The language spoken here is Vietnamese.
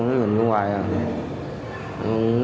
công an tỉnh hậu giang